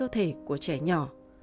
thể của trẻ nhỏ